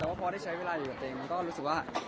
แต่ว่าพอได้ใช้เวลาอยู่กับตัวเองมันก็รู้สึกว่า